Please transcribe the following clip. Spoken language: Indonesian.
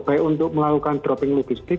baik untuk melakukan dropping logistik